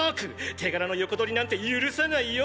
手柄の横取りなんて許さないよ！！